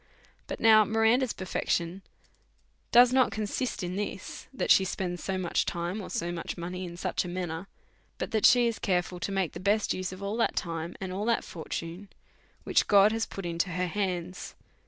But now Miranda's perfection does not consist in lis, that she spends so much time, or so much money in such a manner, but that she is careful to make the best use of ail that time, and all that fortune, which God has put into her hands.